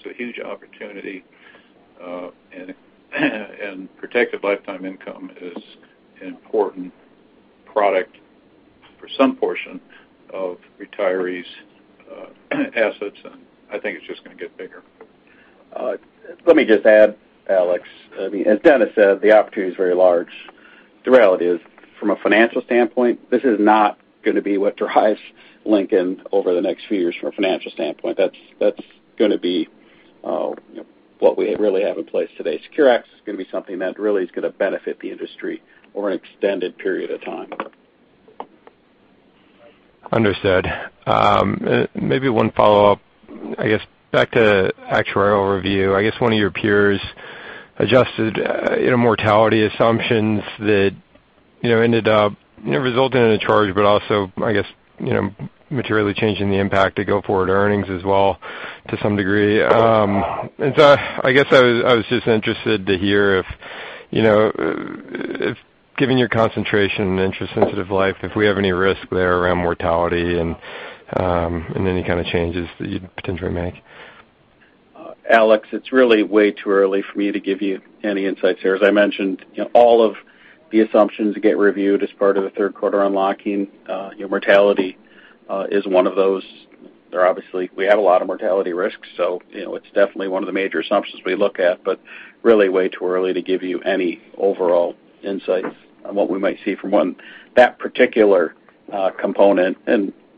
a huge opportunity, and protected lifetime income is an important product for some portion of retirees' assets, and I think it's just going to get bigger. Let me just add, Alex. As Dennis said, the opportunity is very large. The reality is, from a financial standpoint, this is not going to be what drives Lincoln over the next few years from a financial standpoint. That's going to be what we really have in place today. SECURE Act is going to be something that really is going to benefit the industry over an extended period of time. Understood. Maybe one follow-up, I guess back to actuarial review. I guess one of your peers adjusted mortality assumptions that ended up resulting in a charge, but also, I guess, materially changing the impact to go forward earnings as well, to some degree. I guess I was just interested to hear if, given your concentration in interest-sensitive life, if we have any risk there around mortality and any kind of changes that you'd potentially make. Alex, it's really way too early for me to give you any insights there. As I mentioned, all of the assumptions get reviewed as part of the third quarter unlocking. Mortality is one of those. Obviously, we have a lot of mortality risks, so it's definitely one of the major assumptions we look at, but really way too early to give you any overall insights on what we might see from that particular component.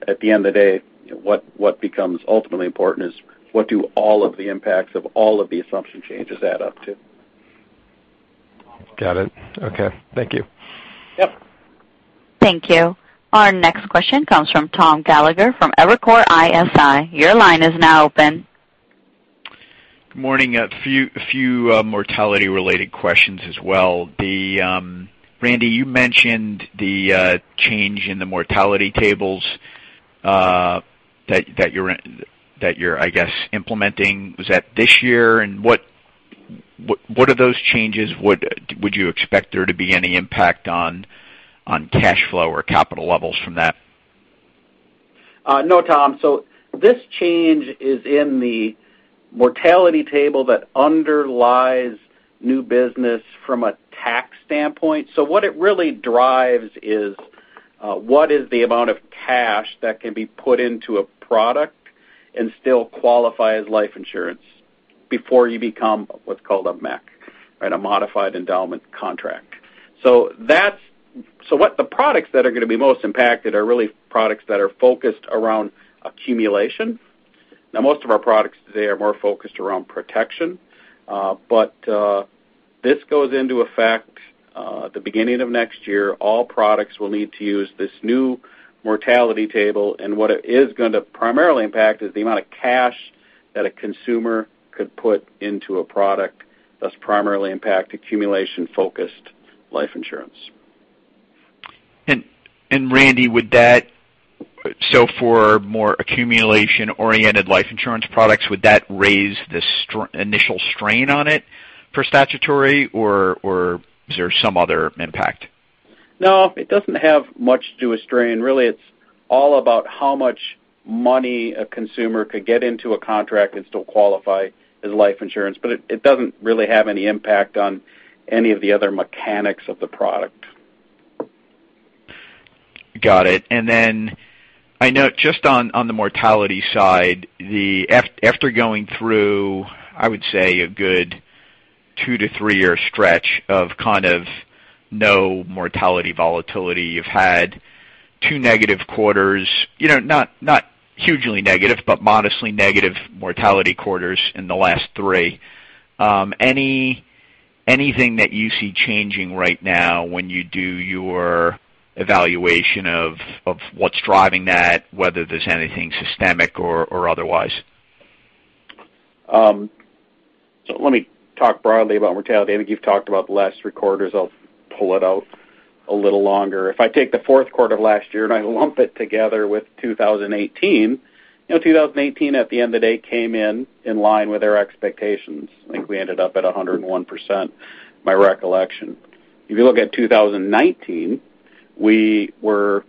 At the end of the day, what becomes ultimately important is what do all of the impacts of all of the assumption changes add up to? Got it. Okay. Thank you. Yep. Thank you. Our next question comes from Thomas Gallagher from Evercore ISI. Your line is now open. Good morning. A few mortality-related questions as well. Randy, you mentioned the change in the mortality tables that you're, I guess, implementing. Was that this year? What are those changes? Would you expect there to be any impact on cash flow or capital levels from that? No, Tom. This change is in the mortality table that underlies new business from a tax standpoint. What it really drives is what is the amount of cash that can be put into a product and still qualify as life insurance before you become what's called a MEC, a modified endowment contract. The products that are going to be most impacted are really products that are focused around accumulation. Now, most of our products today are more focused around protection. This goes into effect at the beginning of next year. All products will need to use this new mortality table, and what it is going to primarily impact is the amount of cash that a consumer could put into a product, thus primarily impact accumulation-focused life insurance. Randy, for more accumulation-oriented life insurance products, would that raise the initial strain on it for statutory, or is there some other impact? No, it doesn't have much to a strain. Really, it's all about how much money a consumer could get into a contract and still qualify as life insurance. It doesn't really have any impact on any of the other mechanics of the product. Got it. I note just on the mortality side, after going through, I would say, a good two to three-year stretch of kind of no mortality volatility, you've had two negative quarters. Not hugely negative, but modestly negative mortality quarters in the last three. Anything that you see changing right now when you do your evaluation of what's driving that, whether there's anything systemic or otherwise? Let me talk broadly about mortality. I think you've talked about the last three quarters. I'll pull it out a little longer. If I take the fourth quarter of last year and I lump it together with 2018, at the end of the day, came in in line with our expectations. I think we ended up at 101%, my recollection. If you look at 2019, we were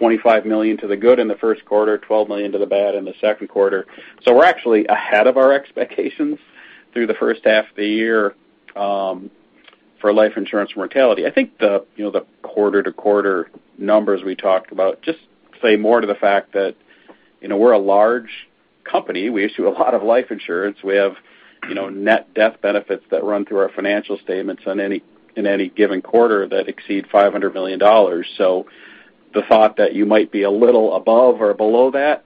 $25 million to the good in the first quarter, $12 million to the bad in the second quarter. We're actually ahead of our expectations through the first half of the year for life insurance mortality. I think the quarter-to-quarter numbers we talked about just say more to the fact that we're a large company. We issue a lot of life insurance. We have net death benefits that run through our financial statements in any given quarter that exceed $500 million. The thought that you might be a little above or below that,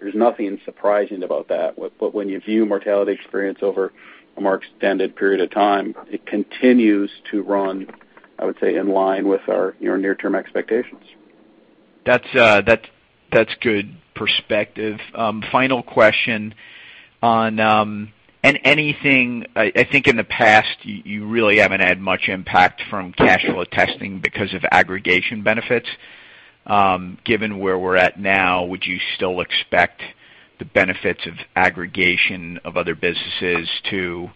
there's nothing surprising about that. When you view mortality experience over a more extended period of time, it continues to run, I would say, in line with our near-term expectations. That's good perspective. Final question on anything, I think in the past, you really haven't had much impact from cash flow testing because of aggregation benefits. Given where we're at now, would you still expect the benefits of aggregation of other businesses to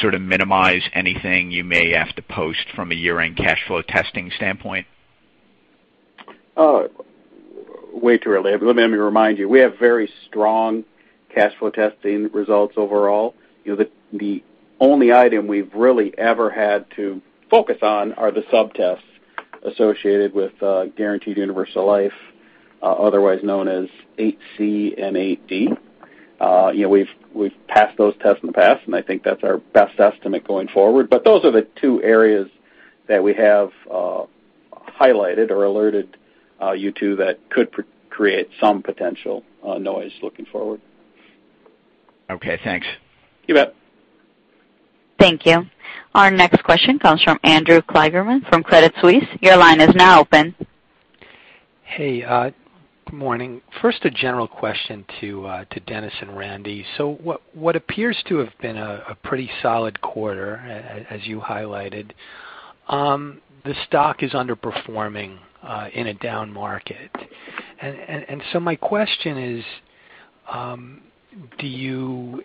sort of minimize anything you may have to post from a year-end cash flow testing standpoint? Way too early. Let me remind you, we have very strong cash flow testing results overall. The only item we've really ever had to focus on are the sub-tests associated with guaranteed universal life, otherwise known as 8-C and 8-D. I think that's our best estimate going forward. Those are the two areas that we have highlighted or alerted you to that could create some potential noise looking forward. Okay, thanks. You bet. Thank you. Our next question comes from Andrew Kligerman from Credit Suisse. Your line is now open. Hey, good morning. First, a general question to Dennis and Randy. What appears to have been a pretty solid quarter, as you highlighted, the stock is underperforming in a down market. My question is, do you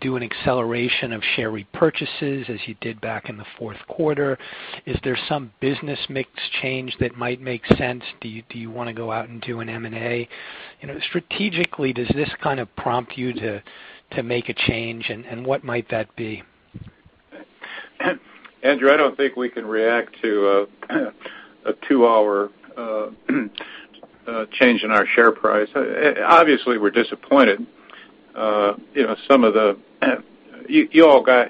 do an acceleration of share repurchases as you did back in the fourth quarter? Is there some business mix change that might make sense? Do you want to go out and do an M&A? Strategically, does this kind of prompt you to make a change, and what might that be? Andrew, I don't think we can react to a 2-hour change in our share price. Obviously, we're disappointed.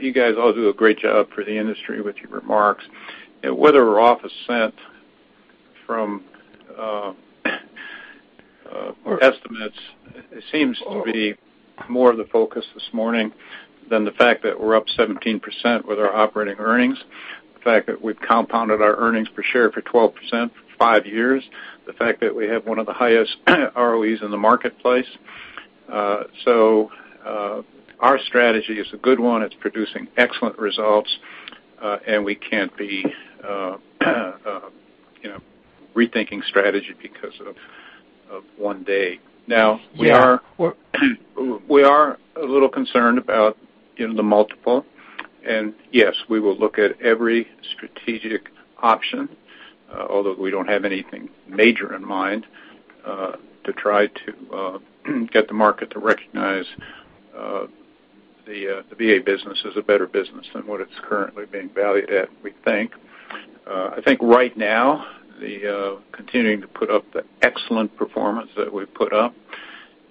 You guys all do a great job for the industry with your remarks. Whether we're off a cent from our estimates, it seems to be more of the focus this morning than the fact that we're up 17% with our operating earnings, the fact that we've compounded our earnings per share for 12% for 5 years, the fact that we have one of the highest ROEs in the marketplace. Our strategy is a good one. It's producing excellent results, and we can't be rethinking strategy because of 1 day. We are a little concerned about the multiple. Yes, we will look at every strategic option, although we don't have anything major in mind, to try to get the market to recognize the VA business as a better business than what it's currently being valued at, we think. I think right now, continuing to put up the excellent performance that we've put up.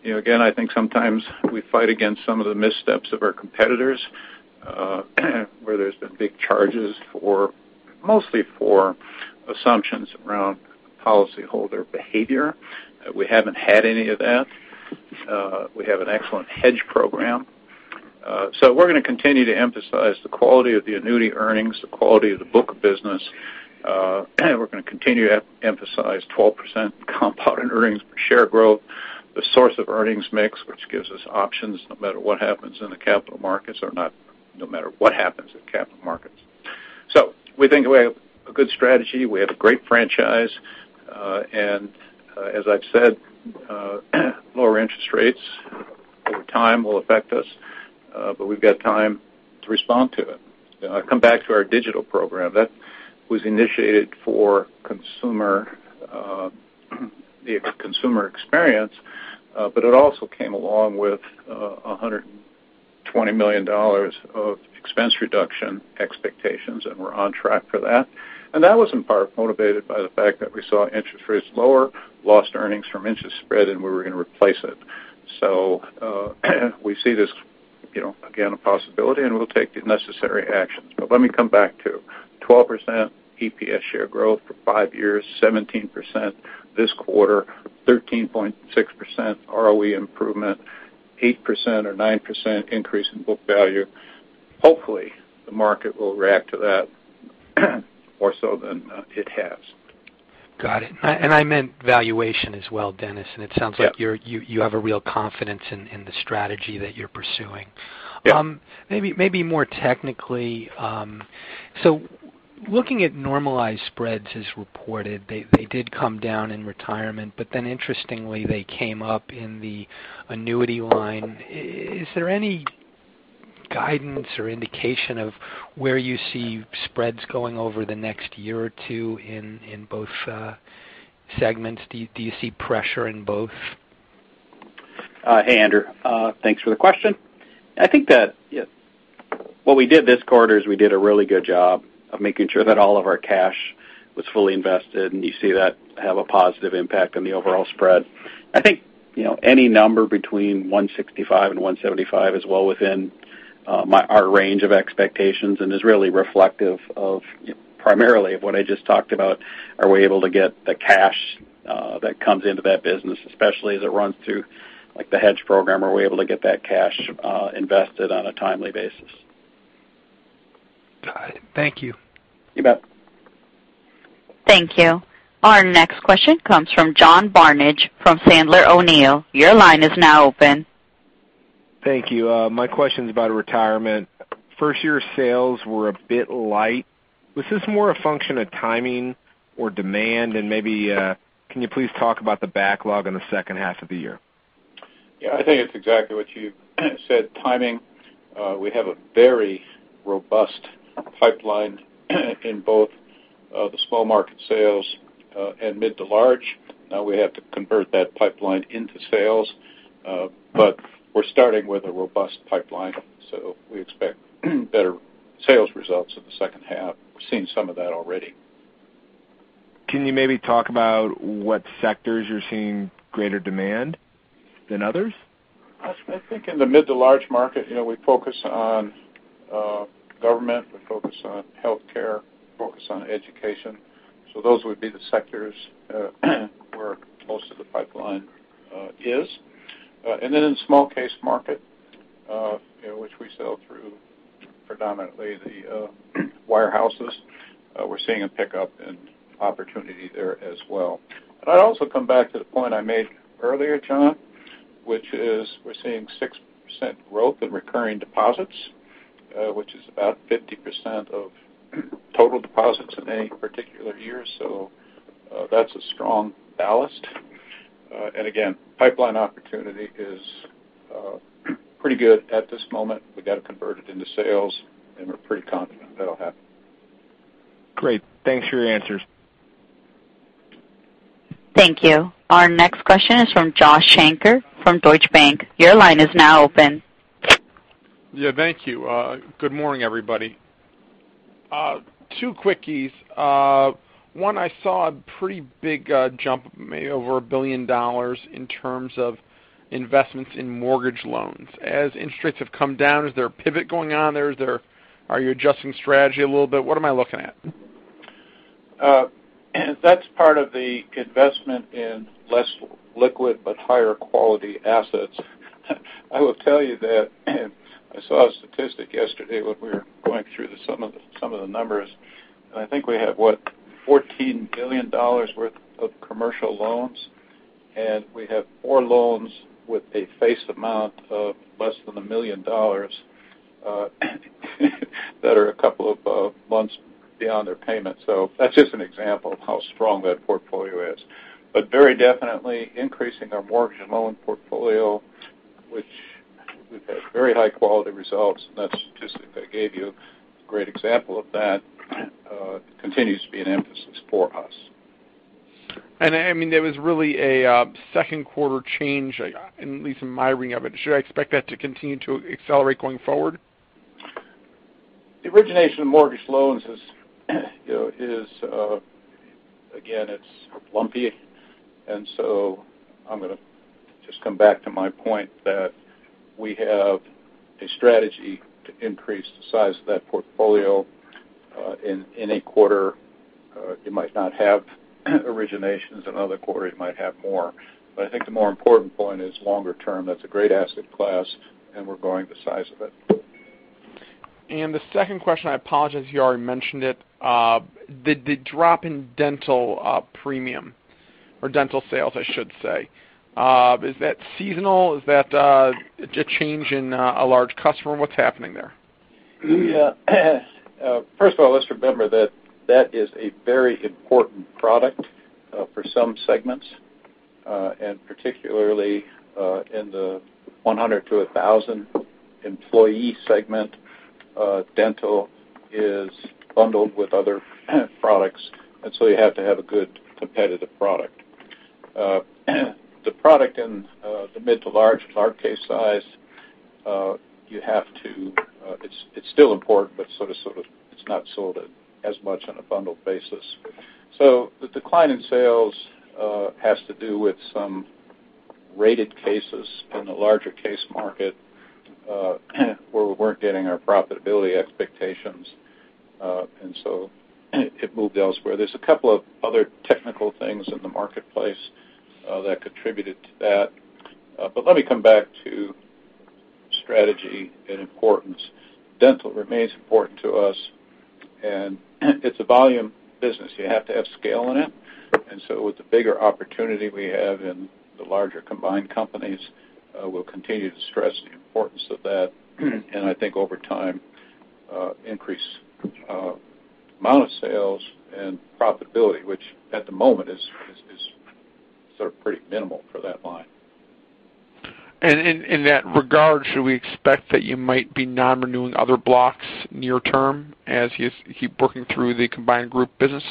Again, I think sometimes we fight against some of the missteps of our competitors, where there's been big charges mostly for assumptions around policyholder behavior. We haven't had any of that. We have an excellent hedge program. We're going to continue to emphasize the quality of the annuity earnings, the quality of the book of business. We're going to continue to emphasize 12% compounded earnings per share growth, the source of earnings mix, which gives us options no matter what happens in the capital markets or not, no matter what happens in capital markets. We think we have a good strategy. We have a great franchise. As I've said, lower interest rates over time will affect us, but we've got time to respond to it. I come back to our digital program. That was initiated for the consumer experience, but it also came along with $120 million of expense reduction expectations. We're on track for that. That was in part motivated by the fact that we saw interest rates lower, lost earnings from interest spread, and we were going to replace it. We see this, again, a possibility, and we'll take the necessary actions. Let me come back to 12% EPS share growth for five years, 17% this quarter, 13.6% ROE improvement, 8% or 9% increase in book value. Hopefully, the market will react to that more so than it has. Got it. I meant valuation as well, Dennis. Yep. It sounds like you have a real confidence in the strategy that you're pursuing. Yep. Maybe more technically. Looking at normalized spreads as reported, they did come down in retirement, interestingly, they came up in the annuity line. Is there any guidance or indication of where you see spreads going over the next year or two in both segments? Do you see pressure in both? Hey, Andrew. Thanks for the question. I think that what we did this quarter is we did a really good job of making sure that all of our cash was fully invested, you see that have a positive impact on the overall spread. I think any number between 165 and 175 is well within our range of expectations and is really reflective of primarily what I just talked about, are we able to get the cash that comes into that business, especially as it runs through, like the hedge program, are we able to get that cash invested on a timely basis? Got it. Thank you. You bet. Thank you. Our next question comes from John Barnidge from Sandler O'Neill. Your line is now open. Thank you. My question's about retirement. First year sales were a bit light. Was this more a function of timing or demand? Maybe, can you please talk about the backlog in the second half of the year? Yeah, I think it's exactly what you said, timing. We have a very robust pipeline in both the small market sales and mid to large. Now we have to convert that pipeline into sales. We're starting with a robust pipeline, we expect better sales results in the second half. We're seeing some of that already. Can you maybe talk about what sectors you're seeing greater demand than others? I think in the mid to large market, we focus on government, we focus on healthcare, we focus on education. Those would be the sectors where most of the pipeline is. Then in small case market, which we sell through predominantly the wirehouses, we're seeing a pickup in opportunity there as well. I'd also come back to the point I made earlier, John, which is we're seeing 6% growth in recurring deposits, which is about 50% of total deposits in any particular year. That's a strong ballast. Again, pipeline opportunity is pretty good at this moment. We've got to convert it into sales, and we're pretty confident that'll happen. Great. Thanks for your answers. Thank you. Our next question is from Joshua Shanker from Deutsche Bank. Your line is now open. Yeah, thank you. Good morning, everybody. Two quickies. One, I saw a pretty big jump, maybe over $1 billion in terms of investments in mortgage loans. As interest rates have come down, is there a pivot going on there? Are you adjusting strategy a little bit? What am I looking at? That's part of the investment in less liquid but higher quality assets. I will tell you that I saw a statistic yesterday when we were going through some of the numbers, and I think we have, what, $14 billion worth of commercial loans, and we have four loans with a face amount of less than $1 million that are a couple of months beyond their payment. That's just an example of how strong that portfolio is. Very definitely increasing our mortgage and loan portfolio, which we've had very high quality results. That statistic I gave you, a great example of that, continues to be an emphasis for us. There was really a second quarter change, at least in my reading of it. Should I expect that to continue to accelerate going forward? The origination of mortgage loans is, again, it's lumpy. I'm going to just come back to my point that we have a strategy to increase the size of that portfolio. In a quarter, you might not have originations. Another quarter, you might have more. I think the more important point is longer term, that's a great asset class, and we're growing the size of it. The second question, I apologize if you already mentioned it. The drop in dental premium or dental sales, I should say. Is that seasonal? Is that a change in a large customer? What's happening there? First of all, let's remember that that is a very important product for some segments. Particularly, in the 100 to 1,000 employee segment, dental is bundled with other products, you have to have a good competitive product. The product in the mid to large case size, it's still important, it's not sold as much on a bundled basis. The decline in sales has to do with some rated cases in the larger case market, where we weren't getting our profitability expectations, it moved elsewhere. There's a couple of other technical things in the marketplace that contributed to that. Let me come back to strategy and importance. Dental remains important to us, and it's a volume business. You have to have scale in it. With the bigger opportunity we have in the larger combined companies, we'll continue to stress the importance of that and I think over time, increase amount of sales and profitability, which, at the moment, is sort of pretty minimal for that line. In that regard, should we expect that you might be non-renewing other blocks near term as you keep working through the combined group business?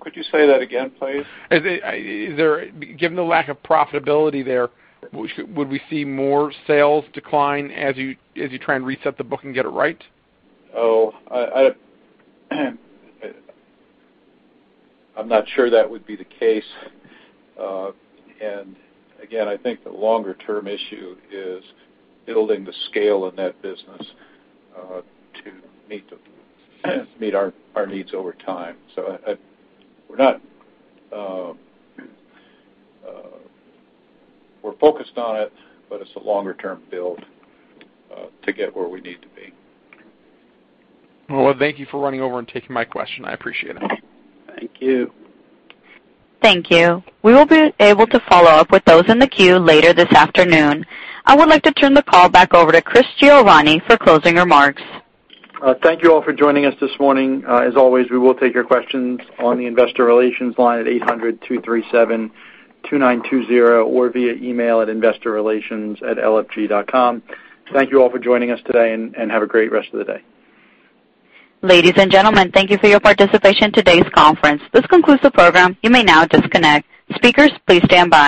Could you say that again, please? Given the lack of profitability there, would we see more sales decline as you try and reset the book and get it right? I'm not sure that would be the case. Again, I think the longer-term issue is building the scale in that business to meet our needs over time. We're focused on it, but it's a longer-term build to get where we need to be. Well, thank you for running over and taking my question. I appreciate it. Thank you. Thank you. We will be able to follow up with those in the queue later this afternoon. I would like to turn the call back over to Christopher Giovanni for closing remarks. Thank you all for joining us this morning. As always, we will take your questions on the investor relations line at 800-237-2920 or via email at investorrelations@lfg.com. Thank you all for joining us today, and have a great rest of the day. Ladies and gentlemen, thank you for your participation in today's conference. This concludes the program. You may now disconnect. Speakers, please stand by.